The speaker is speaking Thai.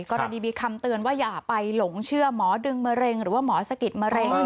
กรณีมีคำเตือนว่าอย่าไปหลงเชื่อหมอดึงมะเร็งหรือว่าหมอสะกิดมะเร็ง